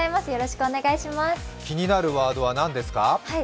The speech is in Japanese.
気になるワードは何ですか？